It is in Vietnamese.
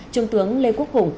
trung tướng lê quốc hùng